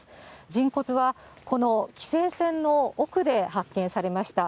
人骨は、この規制線の奥で発見されました。